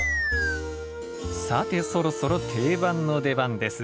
さてそろそろ定番の出番です。